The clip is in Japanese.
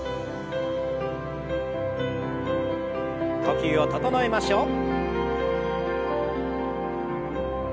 呼吸を整えましょう。